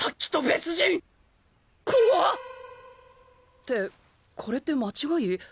ってこれって間違い？